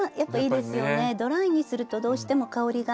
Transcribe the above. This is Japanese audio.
ドライにするとどうしても香りが。